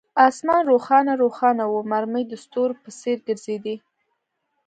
آسمان روښانه روښانه وو، مرمۍ د ستورو په څیر ګرځېدې.